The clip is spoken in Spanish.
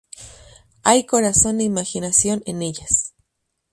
Hay corazón e imaginación en ellas.